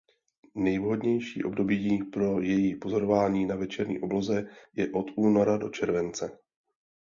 Nejvhodnější období pro její pozorování na večerní obloze je od února do července.